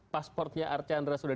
paspornya archandra sudah